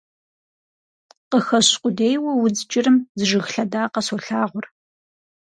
Къыхэщ къудейуэ удз кӀырым, Зы жыг лъэдакъэ солъагъур.